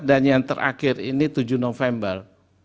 yang terakhir ini tujuh november